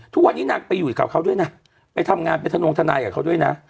ทุกวันนี้นางไปอยู่กับเขาด้วยนะไปทำงานเป็นธนงทนายกับเขาด้วยนะ